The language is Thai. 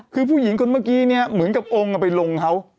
คือผู้หญิงคนเมื่อกี้เนี่ยเหมือนกับองค์ไปลงเขา